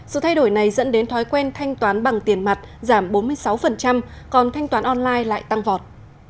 sự thay đổi này dẫn đến thói quen thanh toán bằng tiền mặt giảm bốn mươi sáu còn thanh toán online lại tăng vọt